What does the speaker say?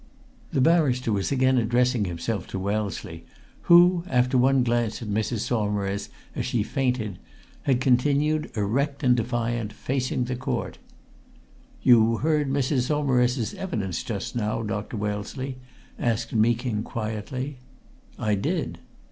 The barrister was again addressing himself to Wellesley, who, after one glance at Mrs. Saumarez as she fainted, had continued, erect and defiant, facing the Court. "You heard Mrs. Saumarez's evidence just now, Dr. Wellesley?" asked Meeking quietly. "I did!"